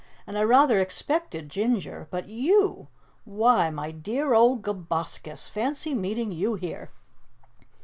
"And I rather expected Ginger, but YOU! Why, my dear old Gaboscis, fancy meeting YOU here!"